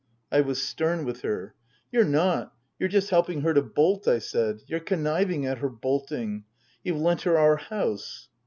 I was stern with her. " You're not. You're just helping her to bolt," I said. " You're conniving at her bolting. You've lent her our house."